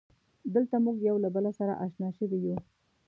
دلته مونږ یو له بله سره اشنا شوي یو.